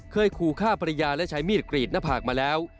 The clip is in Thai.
เคยขู่ฆ่าภรรยาและใช้มีดกรีดหน้าผากมาแล้ว